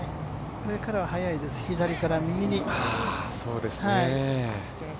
ここからは速いです、左から右に。